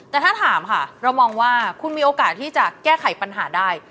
แต่ถ้าถามค่ะเรามองว่าคุณมีโอกาสที่จะแก้ไขปัญหาได้